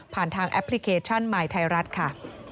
ทางแอปพลิเคชันใหม่ไทยรัฐค่ะ